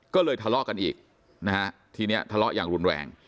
ก็เลยทะเลาะกันอีกนะฮะทีนี้ทะเลาะอย่างรุนแรง